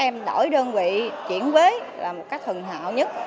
mỗi đơn vị chuyển bế là một cách thần hạo nhất